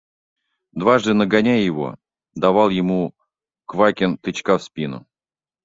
Дважды нагоняя его, давал ему Квакин тычка в спину.